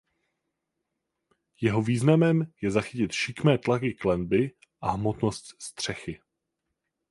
Jeho významem je zachytit šikmé tlaky klenby a hmotnost střechy.